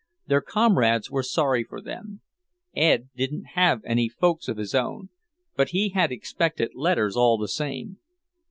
Their comrades were sorry for them. Ed didn't have any "folks" of his own, but he had expected letters all the same.